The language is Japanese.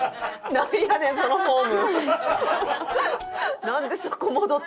なんやねんそのフォーム。